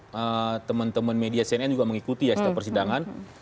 nah teman teman media cnn juga mengikuti ya setiap persidangan